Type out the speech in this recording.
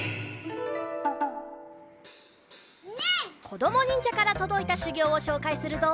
こどもにんじゃからとどいたしゅぎょうをしょうかいするぞ！